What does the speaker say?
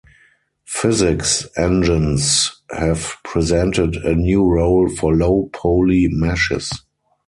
Physics engines have presented a new role for low poly meshes.